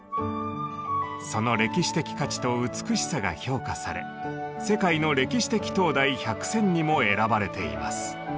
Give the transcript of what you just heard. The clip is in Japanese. その歴史的価値と美しさが評価され「世界の歴史的灯台１００選」にも選ばれています。